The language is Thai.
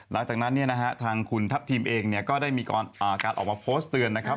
หลังจากนั้นเนี่ยนะฮะทางคุณทัพทีมเองก็ได้มีการออกมาโพสต์เตือนนะครับ